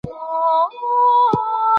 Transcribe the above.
صنعتي ټولني رامنځته سوې.